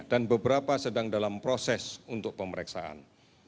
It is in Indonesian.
dan beberapa sedang dalam proses untuk pemeriksaan